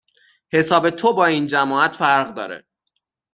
حساب تو با این جماعت فرق داره